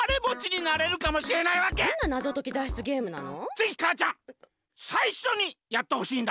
ぜひかあちゃんさいしょにやってほしいんだ！